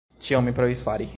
Ĉion mi provis fari!